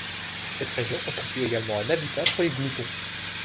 Cette région constitue également un habitat pour les gloutons.